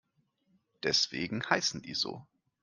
Deswegen heißen die so.